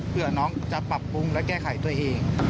เพื่อน้องจะปรับปรุงและแก้ไขตัวเอง